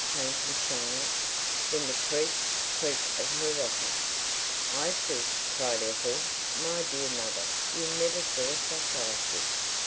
came from Charlotte. Then the creak, creak of her rocker. "Ices!" cried Ethel. "My dear mother, you never saw such ices.